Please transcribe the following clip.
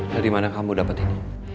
dari mana kamu dapat ini